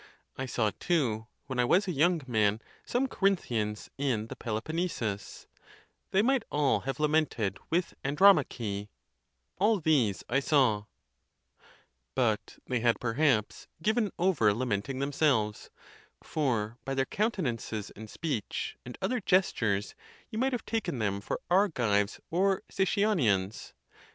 Isaw, 114 THE TUSCULAN DISPUTATIONS. too, when I was a young man, some Corinthians in the Pelo ponnesus. They might all have lamented with Andromache, All these I saw...... but they had perhaps given over lamenting themselves, for by their countenances, and speech, and other gestures you might have taken them for Argives or Sicyonians.